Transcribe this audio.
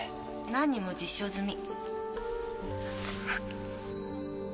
何人も実証済み。